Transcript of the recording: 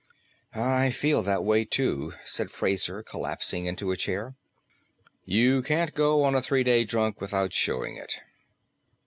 "I feel that way, too," said Fraser, collapsing into a chair. "You can't go on a three day drunk without showing it."